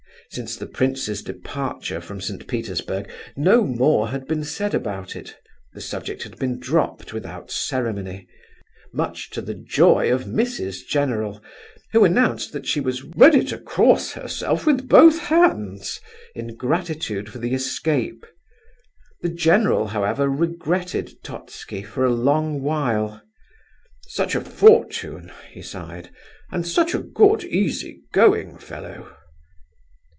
Since the prince's departure from St. Petersburg no more had been said about it; the subject had been dropped without ceremony, much to the joy of Mrs. General, who, announced that she was "ready to cross herself with both hands" in gratitude for the escape. The general, however, regretted Totski for a long while. "Such a fortune!" he sighed, "and such a good, easy going fellow!"